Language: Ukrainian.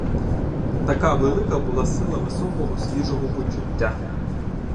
Така велика була сила високого свіжого почуття!